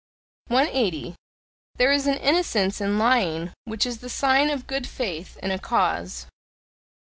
180. There is an innocence in lying which is the sign of good faith in a cause.